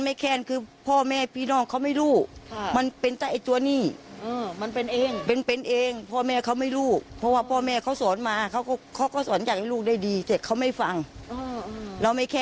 แกะเนี่ยเราบอกตรงตรงว่าอยากเอาแบบมันโอ้ก